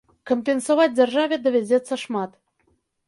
Кампенсаваць дзяржаве давядзецца шмат.